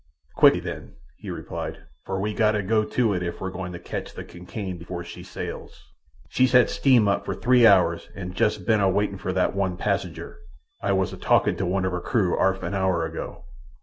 "Quick, then," he replied, "for we gotta go it if we're goin' to catch the Kincaid afore she sails. She's had steam up for three hours an' jest been a waitin' fer that one passenger. I was a talkin' to one of her crew 'arf an hour ago."